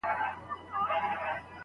دکمپيوټر اسانتياوي مالومېږي کېږي